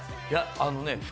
いやあのね